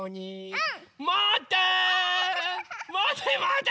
うん！